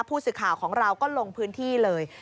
ผู้สื่อข่าวของเราก็ลงพื้นที่เลย